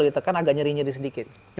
ditekan agak nyeri nyeri sedikit